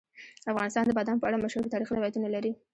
افغانستان د بادام په اړه مشهور تاریخی روایتونه لري.